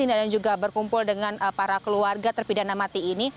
ada di sini dan juga berkumpul dengan para keluarga terpidana mati ini